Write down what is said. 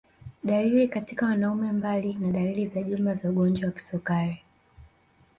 Dalili katika wanaume Mbali na dalili za jumla za ugonjwa wa kisukari